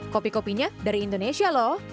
kopi kopinya dari indonesia loh